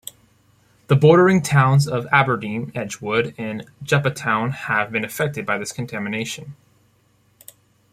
The bordering towns of Aberdeen, Edgewood and Joppatowne have been affected by this contamination.